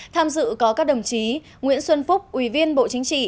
tham dự có các đồng chí nguyễn xuân phúc ủy viên bộ chính trị